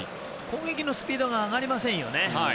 攻撃のスピードが上がりませんね。